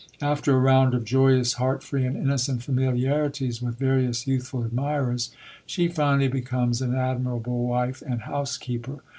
After a round of joyous, heart free, and innocent familiarities with various youthful admirers, she finally becomes an admirable wife and housekeeper.